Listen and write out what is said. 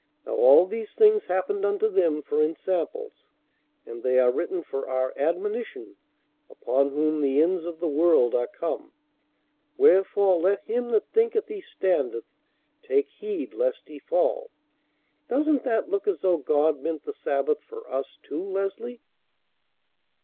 Now all these things happened unto them for ensamples: and they are written for our admonition, upon whom the ends of the world are come. Wherefore let him that thinketh he standeth take heed lest he fall.' Doesn't that look as though God meant the Sabbath for us, too, Leslie?"